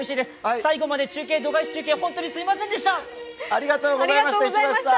最後まで度外視中継、本当にすみませんでした。